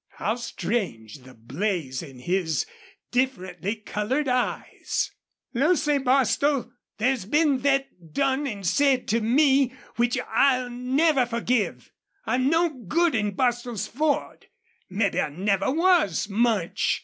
How strange the blaze in his differently colored eyes! "Lucy Bostil, there's been thet done an' said to me which I'll never forgive. I'm no good in Bostil's Ford. Mebbe I never was much.